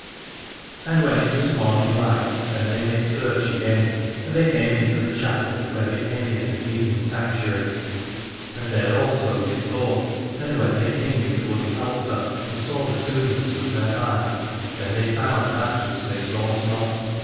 And when it was morning light then they made search again : and they came into the chapel wherein Aithne had been in sanctuary. And there also they sought, and when they came before the altar and saw the tomb that was thereby, then they found that which they sought not.